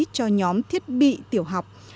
cho nhóm thiết bị tiểu học